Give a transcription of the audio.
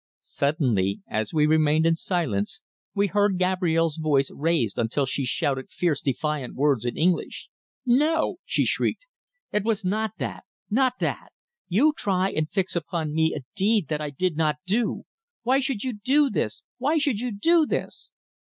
Suddenly, as we remained in silence, we heard Gabrielle's voice raised until she shouted fierce defiant words in English: "No!" she shrieked. "It was not that not that! You try and fix upon me a deed that I did not do! Why should you do this why should you do this!"